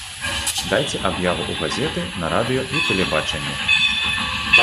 Дайце аб'яву ў газеты, на радыё і тэлебачанне.